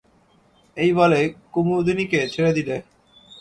এই বলে কুমুদিনীকে ছেড়ে দিলে।